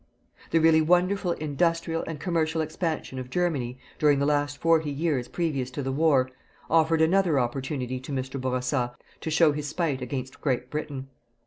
The really wonderful industrial and commercial expansion of Germany, during the last forty years previous to the war, offered another opportunity to Mr. Bourassa to show his spite against Great Britain.